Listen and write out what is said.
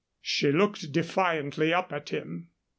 She looked defiantly up at him.